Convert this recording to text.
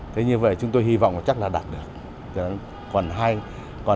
thế như vậy chúng tôi hy vọng là chắc là đạt được